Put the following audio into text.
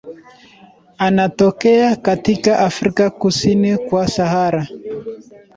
Anatokea katika Afrika kusini kwa Sahara.